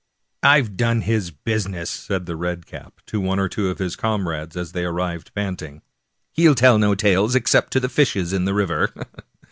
" I've done his business," said the red cap to one or two of his comrades as they arrived panting. " He'll tell no tales, except to the fishes in the river."